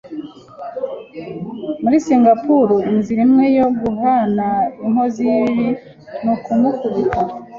Muri Singapuru, inzira imwe yo guhana inkozi y'ibibi ni ukumukubita.